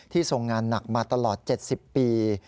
ทรงงานหนักมาตลอด๗๐ปี